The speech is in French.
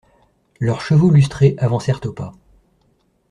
Leurs chevaux lustrés avancèrent au pas.